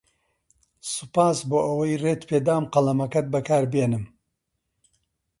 سوپاس بۆ ئەوەی ڕێت پێدام قەڵەمەکەت بەکاربێنم.